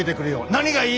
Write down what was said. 何がいい？